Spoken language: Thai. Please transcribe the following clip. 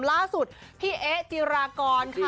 ล่าสุดพี่เอ๊จิรากรค่ะ